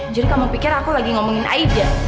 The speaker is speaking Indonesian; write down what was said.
jadi kamu pikir aku lagi ngomongin aida